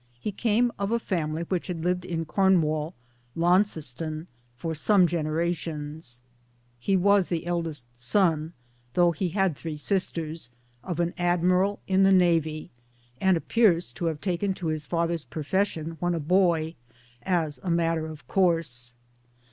He came of a family which had lived in Cornwall (Launceston) for some generations. He was the eldest son though he had three sisters of an Admiral in the Navy, and appears to have taken to his father's profession, when a boy, as a rriatter of course.